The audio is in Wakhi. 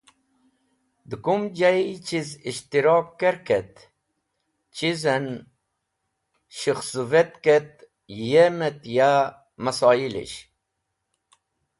dẽ kumjay chiz ishtirok kerk et chizen shekhsũvetk et yem et ya masaloyish.